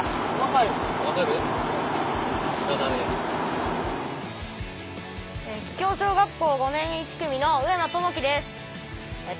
桔梗小学校５年１組の上間友輝です。